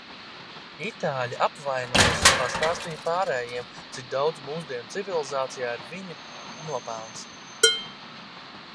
Itāļi apvainojas un pastāstīja pārējiem, cik daudz mūsdienu civilizācijā ir viņu nopelns.